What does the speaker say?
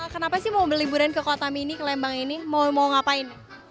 kenapa sih mau berliburan ke kota mini ke lembang ini mau ngapain